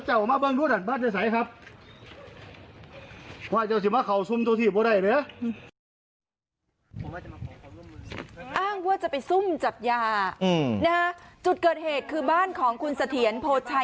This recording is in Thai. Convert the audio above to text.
อ้างว่าจะไปซุ่มจับยาจุดเกิดเหตุคือบ้านของคุณเสถียรโพชัย